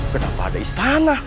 kenapa ada istana